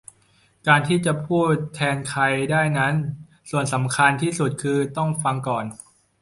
การที่จะพูดแทนใครได้นั้นส่วนสำคัญที่สุดคือต้อง"ฟัง"ก่อน